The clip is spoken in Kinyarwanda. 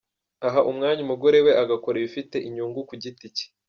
Aha umwanya umugore we agakora ibifite inyungu ku giti cye.